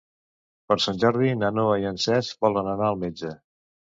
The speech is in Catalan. Per Sant Jordi na Noa i en Cesc volen anar al metge.